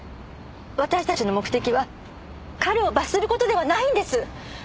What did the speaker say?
私たちの目的は彼を罰する事ではないんです。